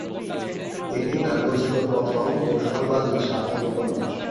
এটি তার রচিত প্রথম ও সর্বাধিক সার্থক উপন্যাস।